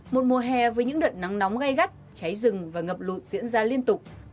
một mùa hè với những đợt nắng nóng gai gắt cháy rừng và ngập lụt diễn ra liên tục